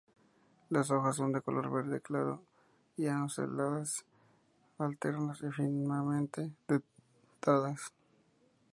Las hojas son de color verde claro lanceoladas, alternas y finamente dentadas.